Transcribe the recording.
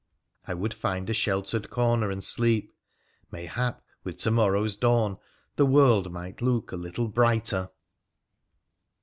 I would find a sheltered corner and sleep. Mayhap, with to morrow'a dawn the world might look a little brighter